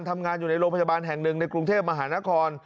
ทำงานอยู่ในโรงพยาบาลแห่งหนึ่งในกรุงเทพมหานคร